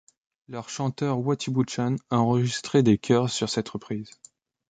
Leur chanteur Wattie Buchan a enregistré des chœurs sur cette reprise.